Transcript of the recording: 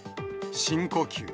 深呼吸。